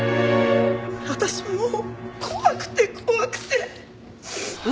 私もう怖くて怖くて。